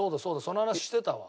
その話してたわ。